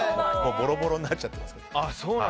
ボロボロになっちゃってますが。